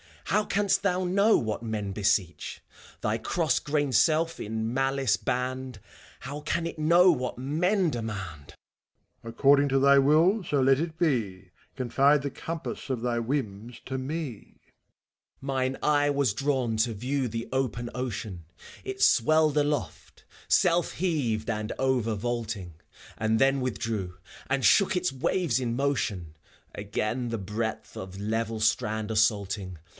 How canst thou know what men beseech f Thy cross grained self, in malice banned, How can it know what men demand? MEPHISTOPHELES. According to thy will so let it be ! Confide the compass of thy whims to me I ACT IF. 193 FAUST. Mine eye was drawn to view the open Oeean : It swelled aloft, self heaved and over vanlting, And then withdrew, and shook its waves in motion, Again the breadth of level strand assaulting.